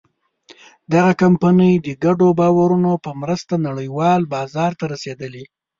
دغه کمپنۍ د ګډو باورونو په مرسته نړۍوال بازار ته رسېدلې.